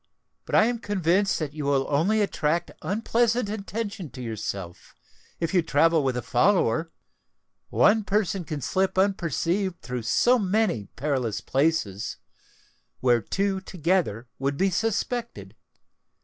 But I am convinced that you will only attract unpleasant attention to yourself, if you travel with a follower: one person can slip unperceived through so many perilous places, where two together would be suspected.